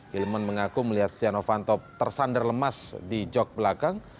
hilman mengaku melihat stianovanto tersander lemas di jog belakang